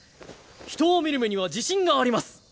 人を見る目には自信があります。